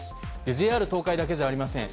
ＪＲ東海だけではありません。